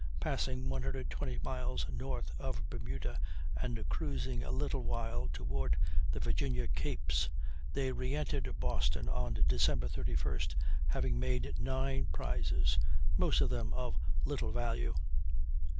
Passing 120 miles north of Bermuda, and cruising a little while toward the Virginia capes, they reentered Boston on Dec. 31st, having made 9 prizes, most of them of little value.